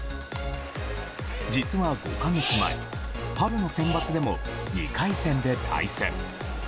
実は５か月前、春のセンバツでも２回戦で対戦。